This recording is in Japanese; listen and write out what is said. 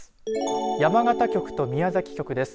山形局と宮崎局です。